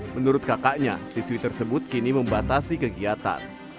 menurut kakaknya siswi tersebut kini membatasi kegiatan